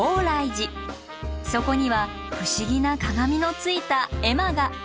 そこには不思議な鏡のついた絵馬が。